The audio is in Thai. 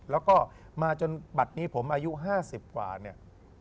แล้วก็มาจนบัตรนี้ผมอายุ๕๐กว่าเนี่ย